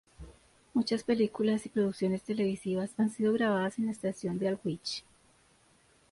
Muchas películas y producciones televisivas han sido grabadas en la estación de Aldwych.